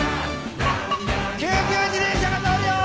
救急自転車が通るよ！